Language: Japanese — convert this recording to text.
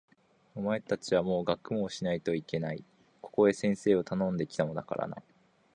お前たちはもう学問をしないといけない。ここへ先生をたのんで来たからな。